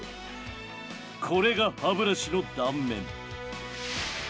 これが歯ブラシの断面。